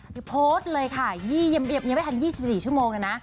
พี่โพธเลยค่ะยังไม่ทัน๒๔ชั่วโมงนะนะ